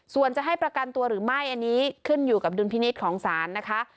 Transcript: ส่วนจะให้ประกันตัวหรือไม่อันนี้ขึ้นอยู่กับดุลพินิษฐ์ของศาลนะคะ